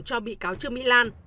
cho bị cáo trương mỹ lan